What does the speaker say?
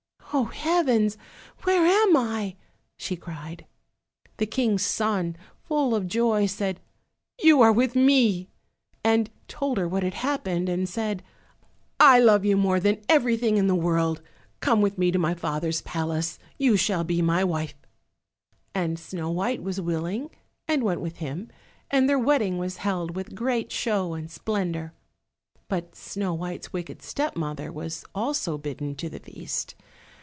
"Oh, heavens, where am I?" she cried. The King's son, full of joy, said, "You are with me," and told her what had happened, and said, "I love you more than everything in the world; come with me to my father's palace, you shall be my wife." And Snow white was willing, and went with him, and their wedding was held with great show and splendour. But Snow white's wicked step mother was also bidden to the feast.